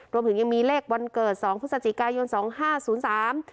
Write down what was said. รวมถึงยังมีเลขวันเกิดสองพฤศจิกายนสองห้าศูนย์สาม